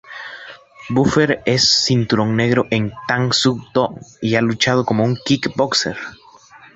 Buffer es cinturón negro en Tang Soo Do y ha luchado como un kickboxer.